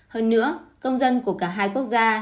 hơn nữa công dân của cả hai quốc gia